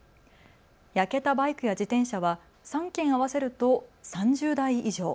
焼けたバイクや自転車は３件合わせると３０台以上。